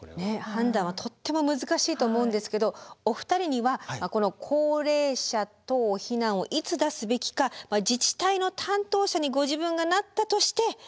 判断はとっても難しいと思うんですけどお二人にはこの高齢者等避難をいつ出すべきか自治体の担当者にご自分がなったとして。